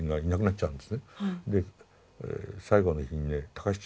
で最後の日にね節